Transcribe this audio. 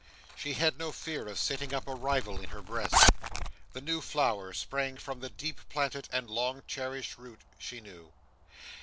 She had no fear of setting up a rival in her breast. The new flower sprang from the deep planted and long cherished root, she knew.